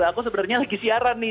aku sebenarnya lagi siaran nih